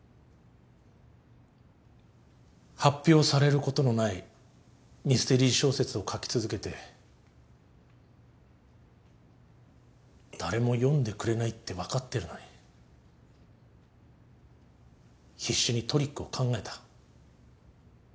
発表されることのないミステリー小説を書き続けて誰も読んでくれないって分かってるのに必死にトリックを考えた。